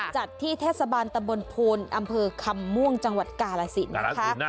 จัดที่เทศบาลตำบลโพนอำเภอคำม่วงจังหวัดกาลสินนะคะ